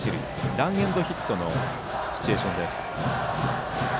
ランエンドヒットのシチュエーション。